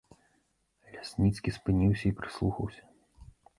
Лясніцкі спыніўся і прыслухаўся.